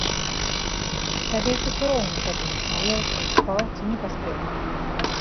Табе ж усё роўна тады, еў ты, спаў ці не паспеў.